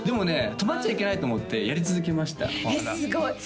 止まっちゃいけないと思ってやり続けましたそ